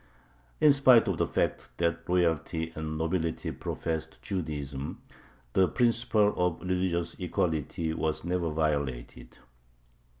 In spite of the fact that royalty and nobility professed Judaism, the principle of religious equality was never violated.